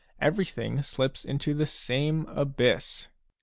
Everything slips into the same abyss.